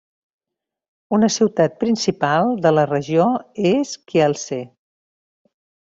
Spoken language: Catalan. Una ciutat principal de la regió és Kielce.